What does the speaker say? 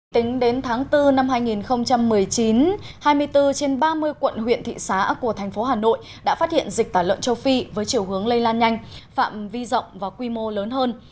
tính đến tháng bốn năm hai nghìn một mươi chín hai mươi bốn trên ba mươi quận huyện thị xã của thành phố hà nội đã phát hiện dịch tả lợn châu phi với chiều hướng lây lan nhanh phạm vi rộng và quy mô lớn hơn